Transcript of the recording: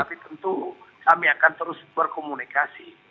tapi tentu kami akan terus berkomunikasi